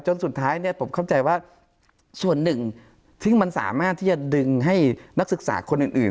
จนสุดท้ายมันสามารถที่จะดึงให้นักศึกษาคนอื่น